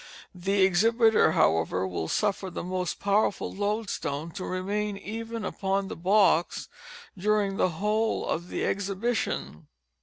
The exhibiter, however, will suffer the most powerful loadstone to remain even upon the box during the whole of the exhibition.